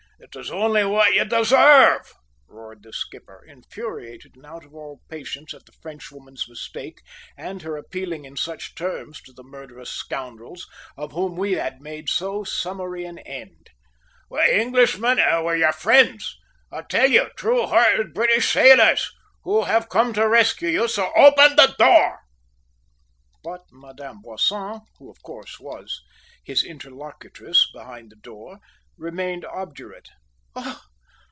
It is only what you deserve!" roared the skipper, infuriated and out of all patience at the Frenchwoman's mistake and her appealing in such terms to the murderous scoundrels, of whom we had made so summary an end. "We're Englishmen; we're your friends, I tell you, true hearted British sailors, who have come to rescue you, so open the door!" But Madame Boisson, who, of course, was his interlocutrice behind the door, remained obdurate.